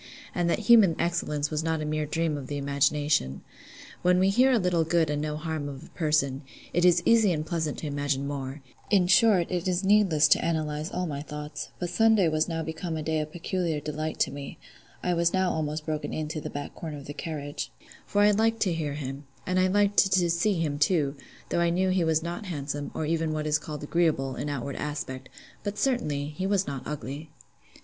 and that human excellence was not a mere dream of the imagination. When we hear a little good and no harm of a person, it is easy and pleasant to imagine more: in short, it is needless to analyse all my thoughts; but Sunday was now become a day of peculiar delight to me (I was now almost broken in to the back corner in the carriage), for I liked to hear him—and I liked to see him, too; though I knew he was not handsome, or even what is called agreeable, in outward aspect; but, certainly, he was not ugly.